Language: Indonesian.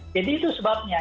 jadi itu sebabnya